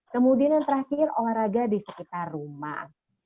kemudian yang terakhir olahraga di sekitar rumah